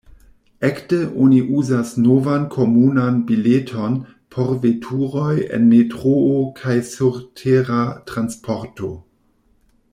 Ekde oni uzas novan komunan bileton por veturoj en metroo kaj surtera transporto.